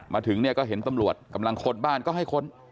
มาถึงเนี่ยก็เห็นตำรวจกำลังค้นบ้านก็ให้ค้น